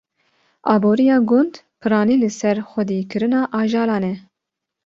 Aborîya gund piranî li ser xwedîkirina ajalan e.